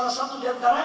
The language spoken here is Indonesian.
maka tidak ada cara lain